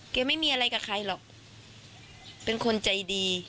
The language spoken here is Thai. ไม่มีอะไรกับใครหรอกเป็นคนใจดี